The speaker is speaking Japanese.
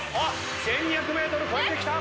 １，２００ｍ超えてきた！